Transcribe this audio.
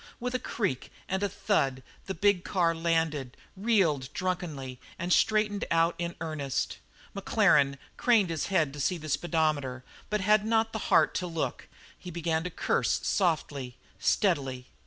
With a creak and a thud the big car landed, reeled drunkenly, and straightened out in earnest, Maclaren craned his head to see the speedometer, but had not the heart to look; he began to curse softly, steadily.